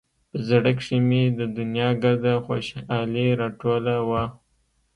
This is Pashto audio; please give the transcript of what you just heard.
په زړه کښې مې د دونيا ګرده خوشالي راټوله وه.